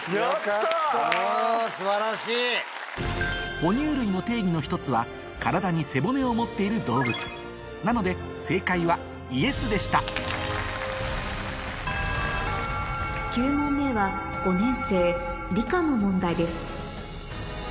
ほ乳類の定義の１つは体に背骨を持っている動物なので正解はＹＥＳでした９問目はの問題です